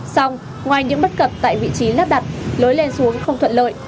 xong ngoài những bất cập tại vị trí lắp đặt lối lên xuống không thuận lợi